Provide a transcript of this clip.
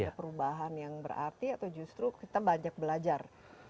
ada perubahan yang berarti atau justru kita banyak belajar